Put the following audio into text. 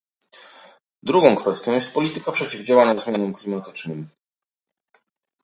Drugą kwestią jest polityka przeciwdziałania zmianom klimatycznym